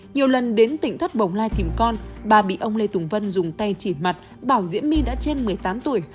nhiều lần đến tỉnh thất bồng lai tìm con bà bị ông lê tùng vân dùng tay chỉ mặt bảo diễm my đã trên một mươi tám tuổi